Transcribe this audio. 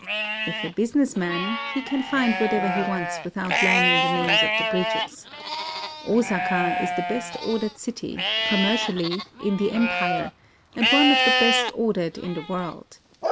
If a business man, he can find whatever he wants without learning the names of the bridges. Osaka is the best ordered city, com mercially, in the empire, and one of the best ordered in the world.